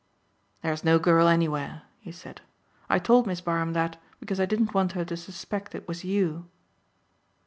"There is no girl anywhere," he said. "I told Miss Barham that because I didn't want her to suspect it was you."